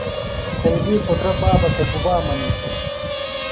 سیدی پُترہ بابہ تھےۡ گُبا منِیتوۡ؟